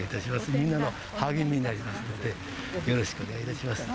みんなの励みになりますので、よろしくお願い